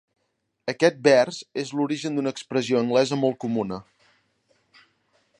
Aquest vers és l'origen d'una expressió anglesa molt comuna.